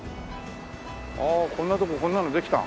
ああこんなとこにこんなのできた？